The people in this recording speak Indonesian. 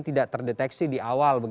tidak terdeteksi di awal